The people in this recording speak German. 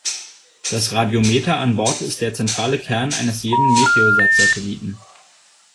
Das Radiometer an Bord ist der zentrale Kern eines jeden Meteosat-Satelliten.